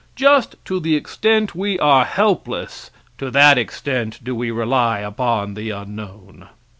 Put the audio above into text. Just to the extent we are helpless, to that extent do we rely upon the unknown.